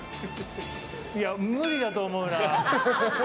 いや、無理やと思うな。